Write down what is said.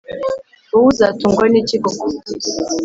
, wowe uzatungwa n’ikikoko